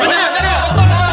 bener betul betul